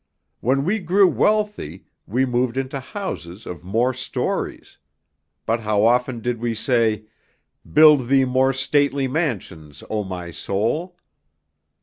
When we grew wealthy we moved into houses of more stories; but how often did we say: 'Build thee more stately mansions, O my soul'?